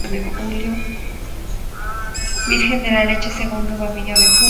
Virgen de la Leche: Segundo domingo de julio.